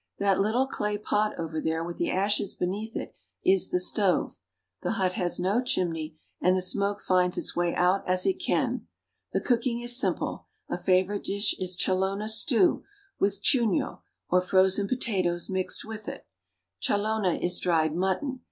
That little clay pot over there with the ashes beneath it is the stove. The hut has no chimney, and the smoke finds its way out as it can. The cooking is simple. A favorite dish is challona stew, with chufio (choon'yo)i or frozen pota toes, mixed with it. Challona is dried mutton.